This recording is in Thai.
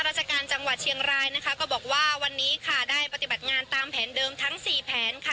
ราชการจังหวัดเชียงรายนะคะก็บอกว่าวันนี้ค่ะได้ปฏิบัติงานตามแผนเดิมทั้งสี่แผนค่ะ